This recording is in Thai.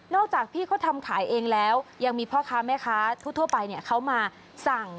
จากพี่เขาทำขายเองแล้วยังมีพ่อค้าแม่ค้าทั่วไปเขามาสั่ง